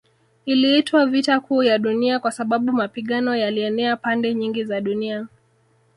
Iliitwa Vita Kuu ya Dunia kwa sababu mapigano yalienea pande nyingi za dunia